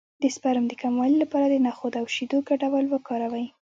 د سپرم د کموالي لپاره د نخود او شیدو ګډول وکاروئ